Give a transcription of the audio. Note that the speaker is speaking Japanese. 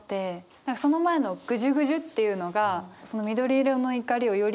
何かその前の「ぐじゅぐじゅ」っていうのが緑色の怒りをより